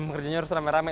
kerjanya harus rame rame